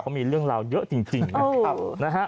เขามีเรื่องราวเยอะจริงนะครับ